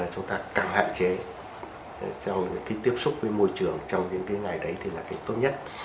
chúng ta càng hạn chế trong cái tiếp xúc với môi trường trong những cái ngày đấy thì là cái tốt nhất